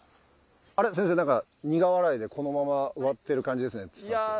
あれっ先生何か苦笑いでこのまま終わっている感じですね。